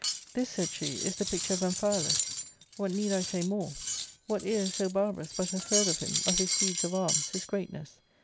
" This," said she, " is the picture of Amphialus ! What need I say more ? What ear is so barbarous but hath heard of him, of his deeds of arms, his greatness?